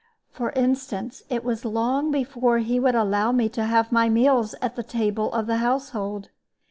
For instance, it was long before he would allow me to have my meals at the table of the household.